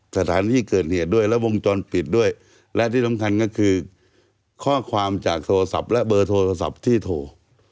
สถานที่เกิดเหตุด้วยและวงจรปิดด้วยและที่สำคัญก็คือข้อความจากโทรศัพท์และเบอร์โทรศัพท์ที่โทร